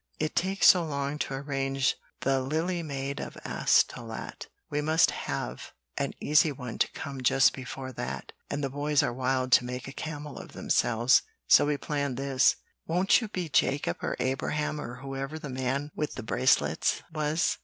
It takes so long to arrange the 'Lily Maid of Astolat' we MUST have an easy one to come just before that, and the boys are wild to make a camel of themselves, so we planned this. Won't you be Jacob or Abraham or whoever the man with the bracelets was?"